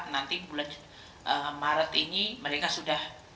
nanti bulan maret ini mereka sudah